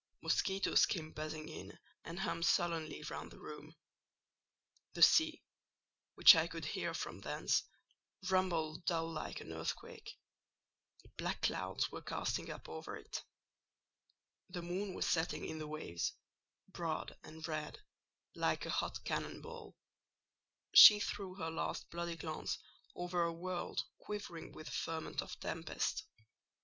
Mosquitoes came buzzing in and hummed sullenly round the room; the sea, which I could hear from thence, rumbled dull like an earthquake—black clouds were casting up over it; the moon was setting in the waves, broad and red, like a hot cannon ball—she threw her last bloody glance over a world quivering with the ferment of tempest.